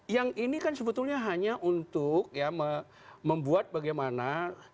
yang ini kan sebetulnya hanya untuk membuat bagaimana